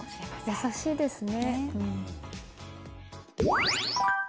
優しいですね。